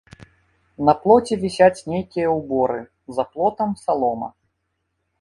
На плоце вісяць нейкія ўборы, за плотам салома.